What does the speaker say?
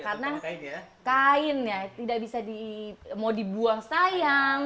karena kain ya tidak bisa mau dibuang sayang